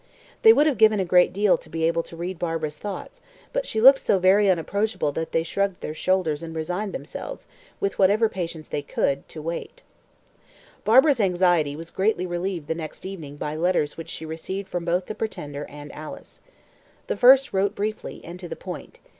They would have given a great deal to be able to read Barbara's thoughts, but she looked so very unapproachable that they shrugged their shoulders and resigned themselves, with what patience they could, to wait. Barbara's anxiety was greatly relieved the next evening by letters which she received from both the "Pretender" and Alice. The first wrote briefly, and to the point.